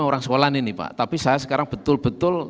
orang sekolahan ini pak tapi saya sekarang betul betul